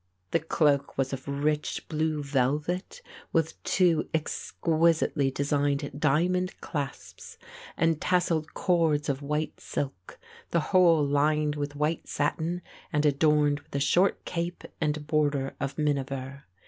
The cloak was of rich blue velvet with two exquisitely designed diamond clasps and tasselled cords of white silk, the whole lined with white satin and adorned with a short cape and border of miniver.